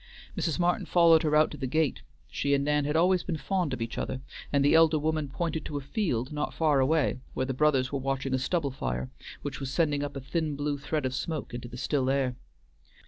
Mrs. Martin followed her out to the gate; she and Nan had always been very fond of each other, and the elder woman pointed to a field not far away where the brothers were watching a stubble fire, which was sending up a thin blue thread of smoke into the still air.